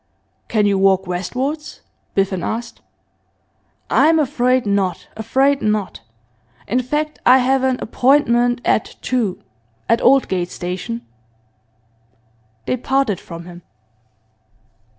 'Can you walk westwards?' Biffen asked. 'I'm afraid not, afraid not. In fact I have an appointment at two at Aldgate station.' They parted from him.